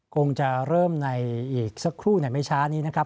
คงจะเริ่มในอีกสักครู่ไม่ช้านี้นะครับ